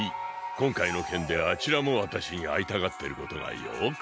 今回の件であちらも私に会いたがってることがよく分かった。